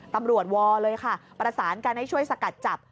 ตำรวจวอเลยค่ะประสานการให้ช่วยสกัดจับ